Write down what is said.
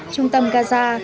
trung tâm gaza